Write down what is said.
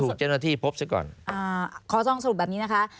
ขอต้องตรวจแบบนี้นะคะ